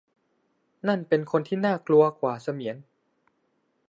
นั่นเป็นคนที่น่ากลัวกว่าเสมียน